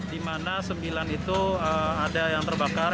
di mana sembilan itu ada yang terbakar